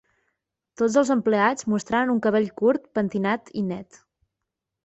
Tots els empleats mostraven un cabell curt, pentinat i net.